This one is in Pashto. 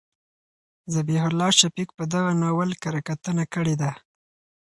ذبیح الله شفق په دغه ناول کره کتنه کړې ده.